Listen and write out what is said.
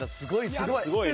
すごいね。